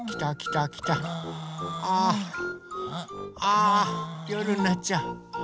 あよるになっちゃう！